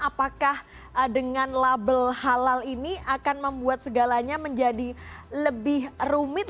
apakah dengan label halal ini akan membuat segalanya menjadi lebih rumit